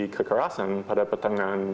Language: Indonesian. kekerasan pada petangan